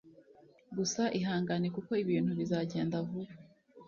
gusa ihangane kuko ibintu bizagenda vuba